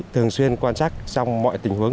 thường xuyên quan trắc trong mọi tình huống